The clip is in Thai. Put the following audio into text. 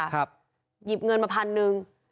หยิบเงินมาพันหนึ่ง